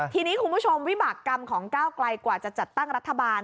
ทีนี้คุณผู้ชมวิบากรรมของก้าวไกลกว่าจะจัดตั้งรัฐบาล